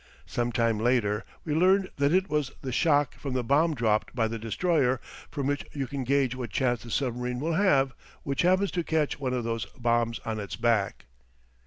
Some time later we learned that it was the shock from the bomb dropped by the destroyer, from which you can gauge what chance the submarine will have which happens to catch one of those bombs on its back.